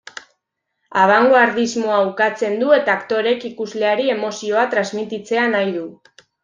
Abangoardismoa ukatzen du eta aktoreek ikusleari emozioa transmititzea nahi du.